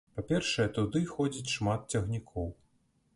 Па-першае, туды ходзіць шмат цягнікоў.